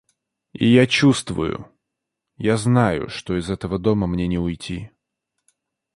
И я чувствую, я знаю, что из этого дома мне не уйти.